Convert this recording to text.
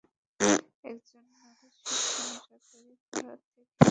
একজন নারীর সুখ সংসার তৈরি করা থেকেই আসে!